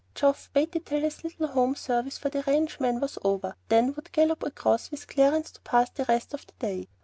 Geoff waited till his little home service for the ranchmen was over, and then would gallop across with Clarence to pass the rest of the day.